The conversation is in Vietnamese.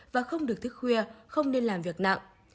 và không được thức khuya không nên làm việc nặng